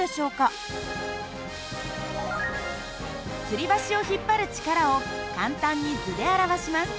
つり橋を引っ張る力を簡単に図で表します。